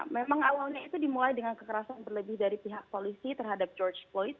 memang awalnya itu dimulai dengan kekerasan berlebih dari pihak polisi terhadap george floyd